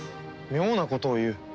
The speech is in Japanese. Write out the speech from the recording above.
妙なことを言う。